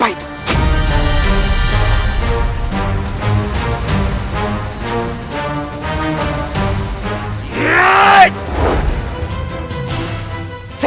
aku tak bisa